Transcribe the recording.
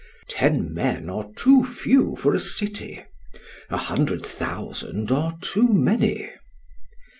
"Ten men are too few for a city; a hundred thousand are too many."